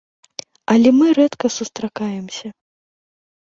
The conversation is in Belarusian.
Але мы рэдка сустракаемся.